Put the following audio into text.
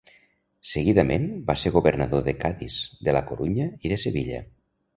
Seguidament va ser governador de Cadis, de La Corunya i de Sevilla.